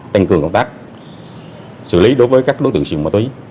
tăng cường công tác xử lý đối với các đối tượng nghiện ma túy